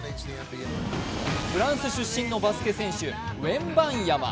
フランス出身のバスケ選手ウェンバンヤマ。